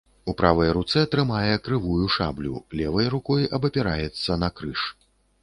У правай руцэ трымае крывую шаблю, левай рукой абапіраецца на крыж.